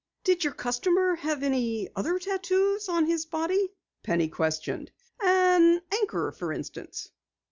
"Did your customer have any other tattoos on his body?" Penny questioned. "An anchor, for instance?"